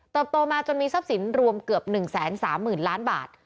โตมาจนมีทรัพย์สินรวมเกือบ๑๓๐๐๐ล้านบาท